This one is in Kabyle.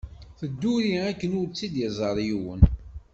Tedduri akken ur tt-id-iẓer yiwen.